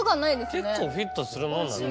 結構フィットするもんなんですね。